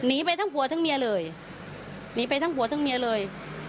หนีไปทั้งผัวทั้งเมียเลยหนีไปทั้งผัวทั้งเมียเลย